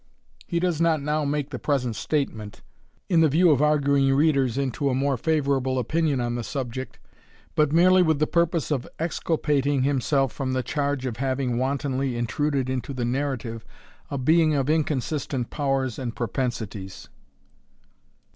He does not now make the present statement, in the view of arguing readers into a more favourable opinion on the subject, but merely with the purpose of exculpating himself from the charge of having wantonly intruded into the narrative a being of inconsistent powers and propensities.